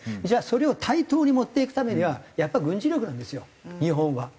じゃあそれを対等に持っていくためにはやっぱ軍事力なんですよ日本は。